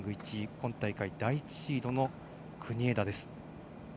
今大会第１シードの国枝です。